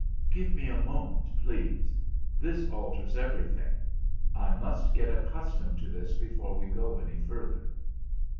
"Give me a moment, please! This alters everything. I must get accustomed to this before we go any further."